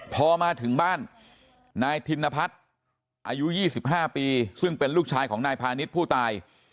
พอมาถึงบ้านนายธินพัฒน์อายุ๒๕ปีซึ่งเป็นลูกชายของนายพาณิชย์ผู้ตาย